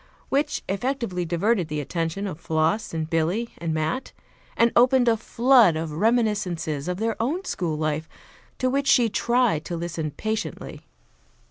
Which effectually diverted the attention of Floss and Billy and Mat and opened a flood of reminiscences of their own school life, to which she tried to listen patiently.